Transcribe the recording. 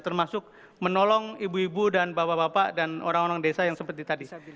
termasuk menolong ibu ibu dan bapak bapak dan orang orang desa yang seperti tadi